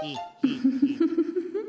・フフフフッ。